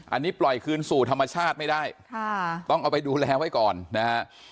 อันนี้ปล่อยคืนสู่ธรรมชาติไม่ได้ค่ะต้องเอาไปดูแลไว้ก่อนนะฮะ